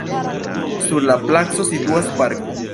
Sur la placo situas parko.